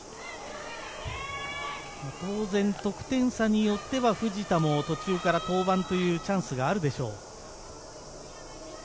当然、得点差によっては藤田も途中から登板というチャンスがあるでしょう。